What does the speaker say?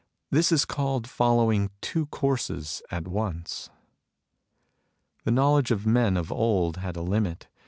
This is called following two courses at once. " The knowledge of the men of old had a limit.